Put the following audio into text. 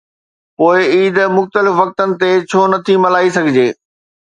پوءِ عيد مختلف وقتن تي ڇو نٿي ملهائي سگهجي؟